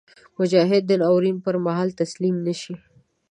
مجاهد د ناورین پر مهال تسلیم نهشي.